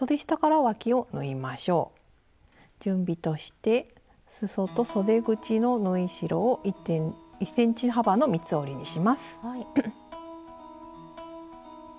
準備としてすそとそで口の縫い代を１ｃｍ幅の三つ折りにします。